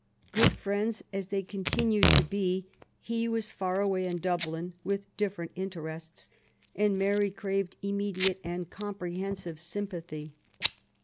Good Mends as they continued to be^ he was far away in Dublin^ with different interests; and Mary craved immediate and comprehensive sympathy.